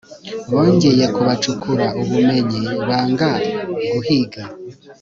bongeye kubacukura ubumenyi banga guhiga